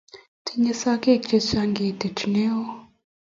Tinye sagek chechang' ketit ni oo